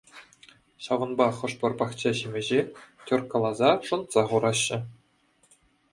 Ҫавӑнпа хӑш-пӗр пахча-ҫимӗҫе теркӑласа шӑнтса хурҫҫӗ.